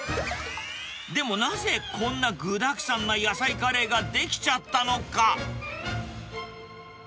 でもなぜこんな具だくさんな野菜カレーが出来ちゃったのか。